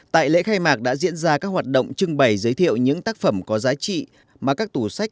tại lễ khai mạc đã diễn ra các hoạt động trưng bày giới thiệu những tác phẩm có giá trị mà các tủ sách